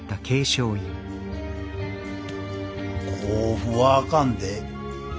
甲府はあかんで。